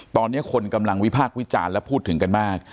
ตอนนี้คนกำลังวิพากษ์วิจารณ์และพูดถึงกันมาก